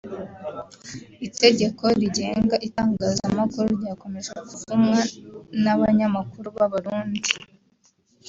Itegeko rigenga itangazamakuru ryakomeje kuvumwa n’abanyamakuru b’Abarundi